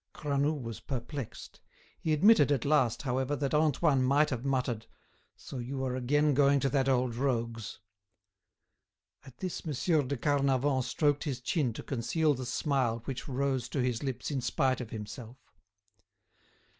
Granoux was perplexed; he admitted at last, however, that Antoine might have muttered: "So you are again going to that old rogue's?" At this Monsieur de Carnavant stroked his chin to conceal the smile which rose to his lips in spite of himself.